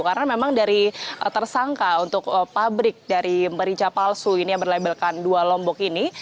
karena memang dari tersangka untuk pabrik dari merica palsu ini yang berlabelkan dua lombok ini